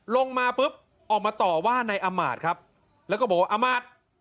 ลงมาปุ๊บออกมาต่อว่านายอามาตย์ครับแล้วก็บอกว่าอามาตย์